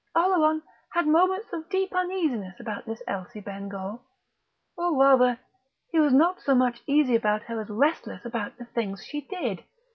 Oleron had moments of deep uneasiness about this Elsie Bengough. Or rather, he was not so much uneasy about her as restless about the things she did.